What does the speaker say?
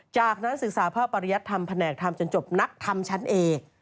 จากนั้นศึกษาพระปริยัติธรรมแผนกธรรมจนจบนักธรรมชั้นเอก